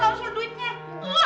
gue ga usah usur duitnya